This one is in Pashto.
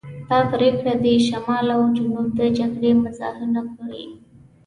دا پرېکړې دې شمال او جنوب د جګړې محاذونه کړي.